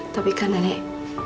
tapi kan nenek